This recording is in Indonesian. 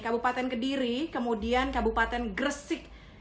kabupaten kediri kemudian kabupaten gresik